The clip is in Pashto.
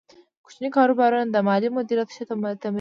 کوچني کاروبارونه د مالي مدیریت ښه تمرین دی۔